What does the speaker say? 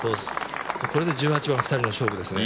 これで１８番、２人の勝負ですね。